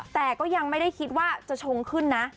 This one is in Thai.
แต่ก็ยังไม่ได้คิดว่าจะชงขึ้นนะ